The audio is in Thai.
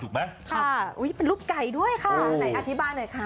ใช่อย่างนี้ถอนก่อนครับ